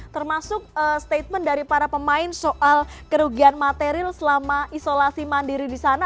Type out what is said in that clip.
termasuk statement dari para pemain soal kerugian material selama isolasi mandiri di sana